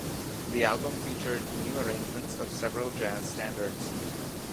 The album featured new arrangements of several jazz standards.